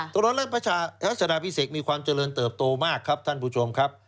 ถนนราชดาพิเศษมีความเจริญเติบโตมากครับท่านผู้ชมครับ